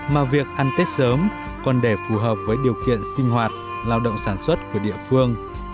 mà việc ăn tết sớm còn để phù hợp với điều kiện sinh hoạt lao động sản xuất của địa phương